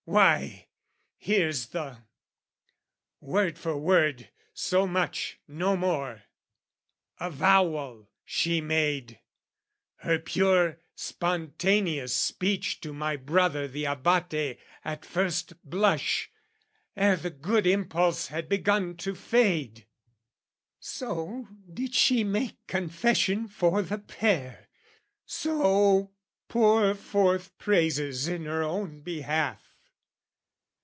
Why, here's the, word for word so much, no more, Avowal she made, her pure spontaneous speech To my brother the Abate at first blush, Ere the good impulse had begun to fade So did she make confession for the pair, So pour forth praises in her own behalf.